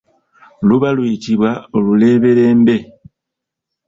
Luba luyitibwa oluleberembe.